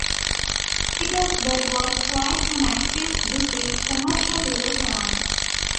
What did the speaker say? Petersburg was quite an active, busy, commercial little town.